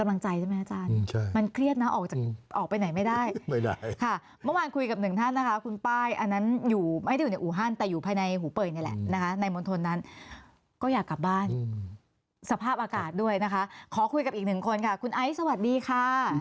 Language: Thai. กำลังใจใช่ไหมอาจารย์มันเครียดนะออกจากออกไปไหนไม่ได้ไม่ได้ค่ะเมื่อวานคุยกับหนึ่งท่านนะคะคุณป้ายอันนั้นอยู่ไม่ได้อยู่ในอู่ฮั่นแต่อยู่ภายในหูเป่ยนี่แหละนะคะในมณฑลนั้นก็อยากกลับบ้านสภาพอากาศด้วยนะคะขอคุยกับอีกหนึ่งคนค่ะคุณไอซ์สวัสดีค่ะ